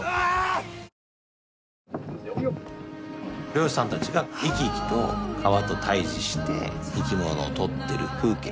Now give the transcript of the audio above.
漁師さんたちが生き生きと川と対峙して生き物を捕ってる風景。